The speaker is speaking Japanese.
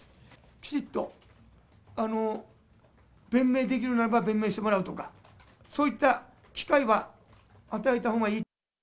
きちっと弁明できるならば弁明してもらうとか、そういった機会は与えたほうがいい。